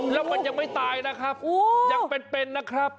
แล้วมันยังไม่ตายนะครับยังเป็นนะครับ